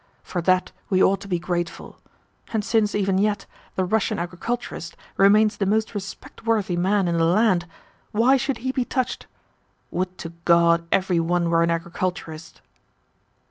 For that we ought to be grateful. And since, even yet, the Russian agriculturist remains the most respect worthy man in the land, why should he be touched? Would to God every one were an agriculturist!"